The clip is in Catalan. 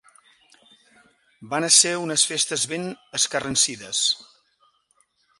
Van ésser unes festes ben escarransides.